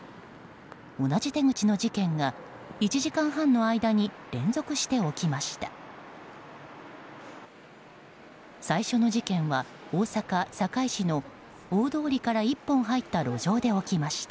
同じ手口の事件が１時間半の間に連続して起きました。